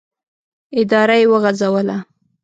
اداره یې وغځوله.